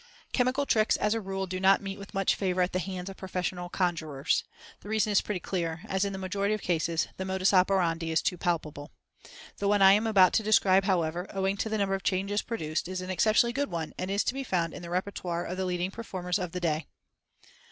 —Chemical tricks, as a rule, do not meet with much favor at the hands of professional conjurers. The reason is pretty clear, as in the majority of cases, the modus operandi is too palpable. The one I am about to describe, however, owing to the number of changes produced, is an exceptionally good one, and is to be found in the repertoire of the leading performers of the day.